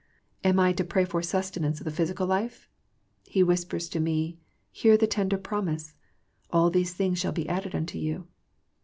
Am I to pray for sustenance of the physical life ? He whispers to me, hear the tender promise, " All these things shall be added unto you."